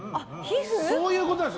そういうことなんです